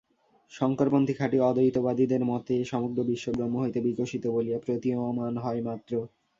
শঙ্করপন্থী খাঁটি অদ্বৈতবাদীদের মতে সমগ্র বিশ্ব ব্রহ্ম হইতে বিকশিত বলিয়া প্রতীয়মান হয় মাত্র।